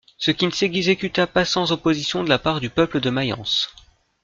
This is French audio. Ce qui ne s'exécuta pas sans opposition de la part du peuple de Mayence.